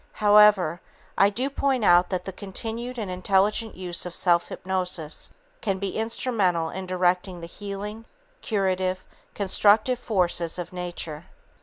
However, I do point out that the continued and intelligent use of self hypnosis can be instrumental in directing the healing, curative, constructive forces of nature.